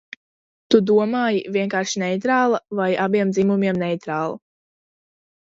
"Tu domāji "vienkārši neitrāla" vai "abiem dzimumiem neitrāla"?"